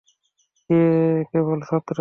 সে কেবল ছাত্র।